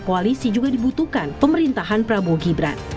koalisi juga dibutuhkan pemerintahan prabowo gibran